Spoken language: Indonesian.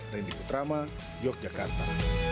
randy putrama yogyakarta